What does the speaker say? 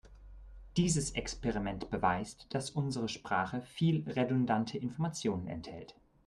Dieses Experiment beweist, dass unsere Sprache viel redundante Information enthält.